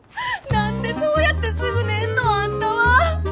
何でそうやってすぐ寝んのあんたは！